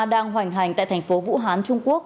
đang hoành hành tại thành phố vũ hán trung quốc